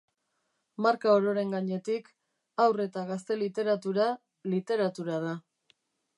Marka ororen gainetik, haur eta gazte literatura, literatura da.